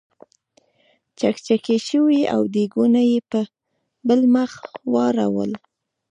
چکچکې شوې او دیګونه یې په بل مخ واړول.